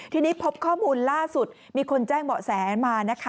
ทีนี้พบข้อมูลล่าสุดมีคนแจ้งเบาะแสมานะคะ